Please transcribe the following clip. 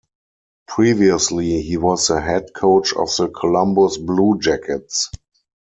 Previously, he was the head coach of the Columbus Blue Jackets.